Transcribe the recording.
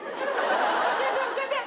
教えて教えて。